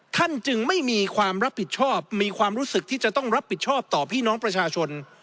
จึงไม่มีความรับผิดชอบมีความรู้สึกที่จะต้องรับผิดชอบต่อพี่น้องประชาชน